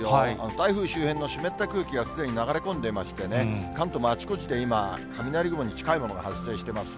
台風周辺の湿った空気がすでに流れ込んでいましてね、関東もあちこちで今、雷雲に近いものが発生してます。